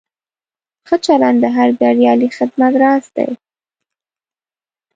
ښه چلند د هر بریالي خدمت راز دی.